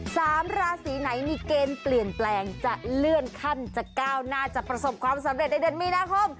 สามราศีไหนมีเกณฑ์เปลี่ยนแปลงจะเลื่อนขั้นจะก้าวหน้าจะประสบความสำเร็จในเดือนมีนาคม